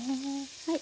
はい。